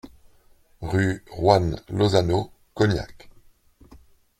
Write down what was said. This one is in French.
Rue Juan Lozano, Cognac